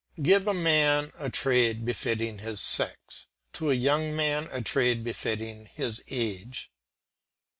Give a man a trade befitting his sex, to a young man a trade befitting his age.